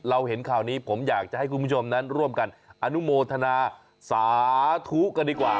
เห็นข่าวนี้ผมอยากจะให้คุณผู้ชมนั้นร่วมกันอนุโมทนาสาธุกันดีกว่า